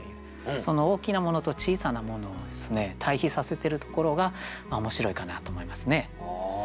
その大きなものと小さなものを対比させてるところが面白いかなと思いますね。